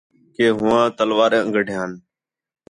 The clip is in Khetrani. کہ ہوآں تلوار ہاں گڈھیان